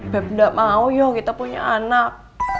beb tidak mau yuk kita punya anak